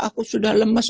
aku sudah lemes